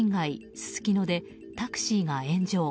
すすきのでタクシーが炎上。